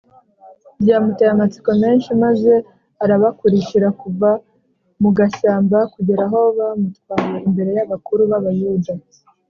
byamuteye amatsiko menshi maze arabakurikira kuva mu gashyamba kugera aho bamutwaye imbere y’abakuru b’abayuda